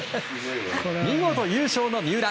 見事、優勝の三浦。